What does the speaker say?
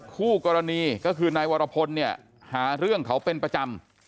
คู่กรณีก็คือนายวรพลเนี่ยหาเรื่องเขาเป็นประจำ